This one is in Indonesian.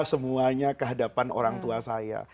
semuanya kehadapan orang tua saya